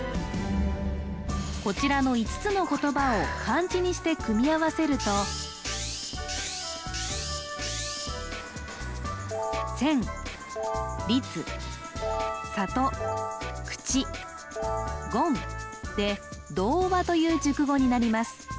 こちらの５つの言葉を漢字にして組み合わせると千立里口言で童話という熟語になります